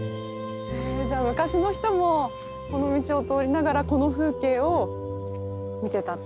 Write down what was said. じゃあ昔の人もこの道を通りながらこの風景を見てたっていうことですか？